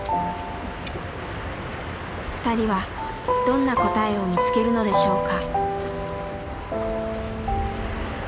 ふたりはどんな答えを見つけるのでしょうか。